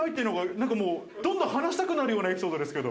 なんかもう、どんどん話したくなるようなエピソードですけど。